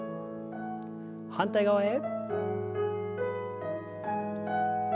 反対側へ。